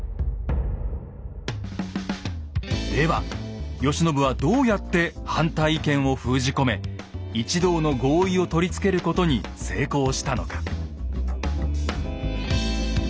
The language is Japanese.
では慶喜はどうやって反対意見を封じ込め一同の合意をとりつけることに成功したのか。